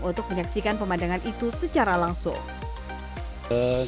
untuk menyaksikan pemandangan itu secara langsung